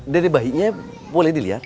dede bayinya boleh dilihat